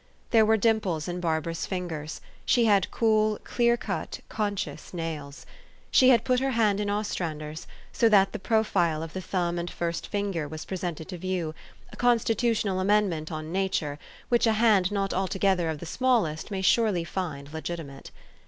There were dimples in Barbara's fingers ; she had cool, clear cut, conscious nails. She had put her hand in Ostrander's, so that the profile of the thumb and first finger was presented to view ; a constitutional amendment on nature, which a hand not altogether of the smallest may surely find legiti mate.